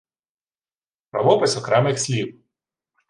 Правопис окремих слів